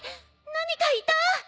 何かいた！